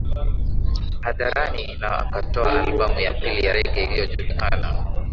Hadharani na akatoa albamu ya pili ya rege iliyojulikana